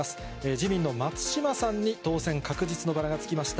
自民の松島さんに当選確実のバラがつきました。